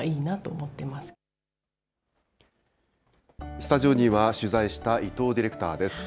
スタジオには取材した伊藤ディレクターです。